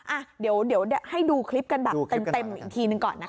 อ่ะเดี๋ยวให้ดูคลิปกันแบบเต็มอีกทีหนึ่งก่อนนะ